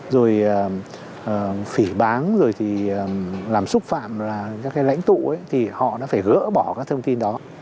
rồi phỉ bán làm xúc phạm các lãnh tụ họ đã phải gỡ bỏ các thông tin đó